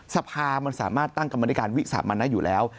สภามันสามารถตั้งกรรมนิการวิสามันนะอยู่แล้ว